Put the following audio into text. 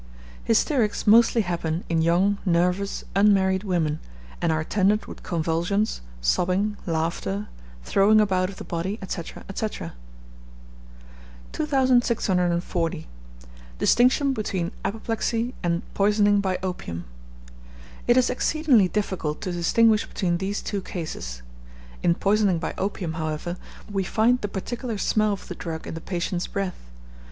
Hysterics mostly happen in young, nervous, unmarried women; and are attended with convulsions, sobbing, laughter, throwing about of the body, &c. &c. 2640. Distinction between Apoplexy and Poisoning by Opium. It is exceedingly difficult to distinguish between these two cases. In poisoning by opium, however, we find the particular smell of the drug in the patient's breath.